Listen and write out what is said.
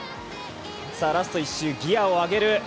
ラスト１周、ギアを上げる。